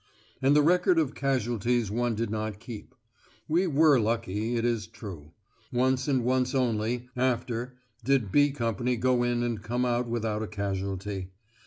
And the record of casualties one did not keep. We were lucky, it is true. Once, and once only, after, did "B" Company go in and come out without a casualty.